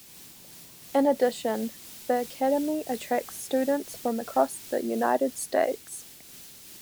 In addition, the academy attracts students from across the United States.